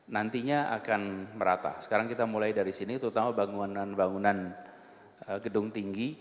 nantinya akan merata sekarang kita mulai dari sini terutama bangunan bangunan gedung tinggi